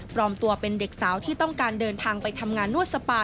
ตัวเป็นเด็กสาวที่ต้องการเดินทางไปทำงานนวดสปา